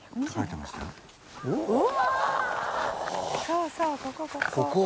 そうそうここここ。